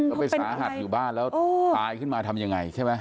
ก็เป้นสหัตว์อยู่บ้านแล้วโอ้ตายขึ้นมาทำยังไงใช่ไหม